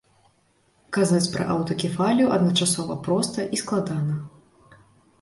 Казаць пра аўтакефалію адначасова проста і складана.